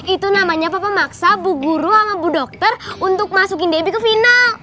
itu namanya pemaksa bu guru sama bu dokter untuk masukin debbie ke final